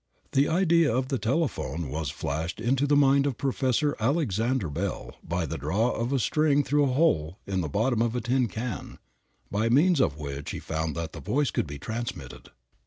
The idea of the telephone was flashed into the mind of Professor Alexander Bell by the drawing of a string through a hole in the bottom of a tin can, by means of which he found that the voice could be transmitted.